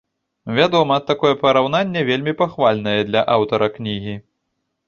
Вядома, такое параўнанне вельмі пахвальнае для аўтара кнігі.